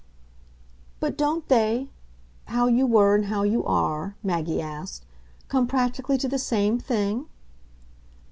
"But don't they, how you were and how you are," Maggie asked, "come practically to the same thing?"